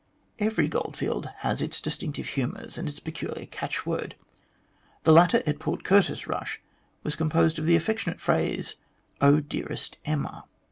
Every goldfield has its distinctive humours and its peculiar catch word. The latter at the Port Curtis rush was composed of the affectionate phrase :" Oh, dearest Emma."